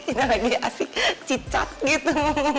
ini lagi asik cicak gitu